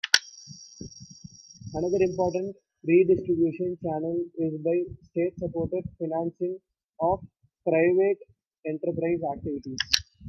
Another important redistribution channel is by State supported financing of private enterprise activities.